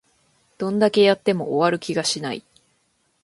どんだけやっても終わる気がしない